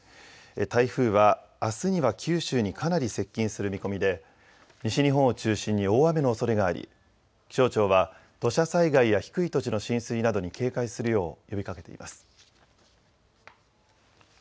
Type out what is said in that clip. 台風はあすには九州にかなり接近する見込みで西日本を中心に大雨のおそれがあり気象庁は土砂災害や低い土地の浸水などに警戒するよう呼びかけています。